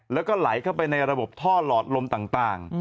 แล้วก็ไหลเข้าไปในระบบท่อหลอดลมต่าง